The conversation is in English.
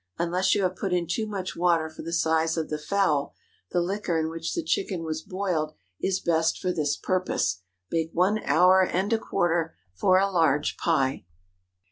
Unless you have put in too much water for the size of the fowl, the liquor in which the chicken was boiled is best for this purpose. Bake one hour and a quarter for a large pie.